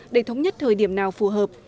để thống nhất thời điểm nào phù hợp